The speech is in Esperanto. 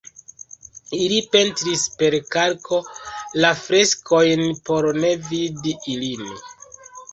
Ili pentris per kalko la freskojn por ne vidi ilin.